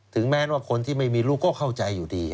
แม้ว่าคนที่ไม่มีลูกก็เข้าใจอยู่ดี